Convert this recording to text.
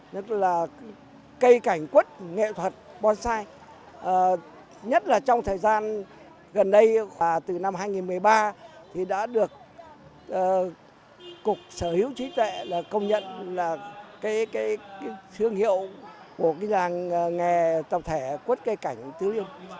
nhất là cây cảnh quất nghệ thuật bonsai nhất là trong thời gian gần đây từ năm hai nghìn một mươi ba thì đã được cục sở hữu trí tuệ là công nhận là cái thương hiệu của cái làng nghề tập thể quất cây cảnh tứ liên